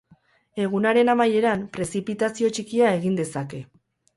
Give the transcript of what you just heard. Egunaren amaieran, prezipitazio txikia egin dezake.